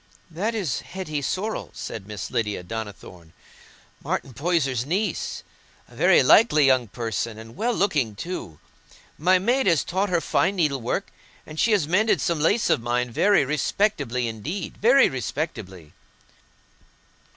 "That is Hetty Sorrel," said Miss Lydia Donnithorne, "Martin Poyser's niece—a very likely young person, and well looking too. My maid has taught her fine needlework, and she has mended some lace of mine very respectably indeed—very respectably."